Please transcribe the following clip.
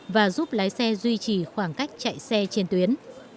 và giúp lái xe duy trì khoảng cách chạy xe trên tuyến